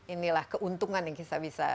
inilah keuntungan yang bisa